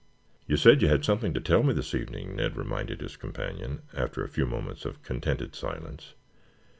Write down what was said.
"You said you had something to tell me this evening," Ned reminded his companion, after a few moments of contented silence.